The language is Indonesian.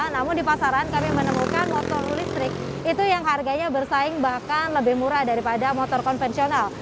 namun di pasaran kami menemukan motor listrik itu yang harganya bersaing bahkan lebih murah daripada motor konvensional